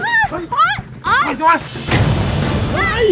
ปอยจับมา